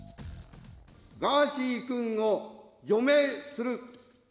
ガーシー君を除名する。